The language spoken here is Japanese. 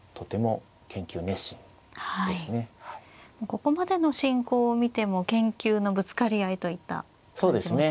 ここまでの進行を見ても研究のぶつかり合いといった感じもしますね。